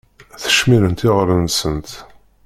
Ttcemmiṛent iɣallen-nsent.